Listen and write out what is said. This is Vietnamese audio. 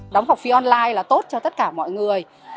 đóng học phí online là tốt cho tất cả mọi người